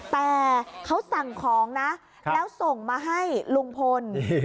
แต่เขาสั่งของนะแล้วส่งมาให้ลุงพล